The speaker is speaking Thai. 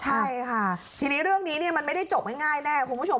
ใช่ค่ะทีนี้เรื่องนี้มันไม่ได้จบง่ายแน่คุณผู้ชม